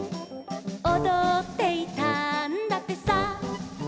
「おどっていたんだってさ」